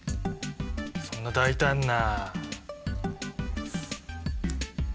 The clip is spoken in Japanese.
そんな大胆な。